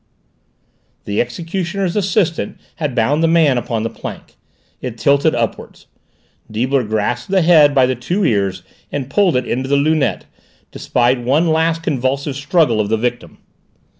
The executioner's assistants had bound the man upon the plank; it tilted upwards. Deibler grasped the head by the two ears and pulled it into the lunette, despite one last convulsive struggle of the victim.